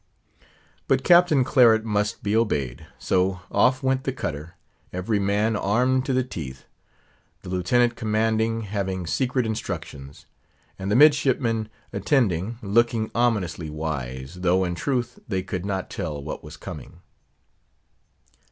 But Captain Claret must be obeyed. So off went the cutter, every man armed to the teeth, the lieutenant commanding having secret instructions, and the midshipmen attending looking ominously wise, though, in truth, they could not tell what was coming.